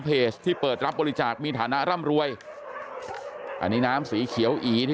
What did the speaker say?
ที่เปิดรับบริจาคมีฐานะร่ำรวยอันนี้น้ำสีเขียวอีที่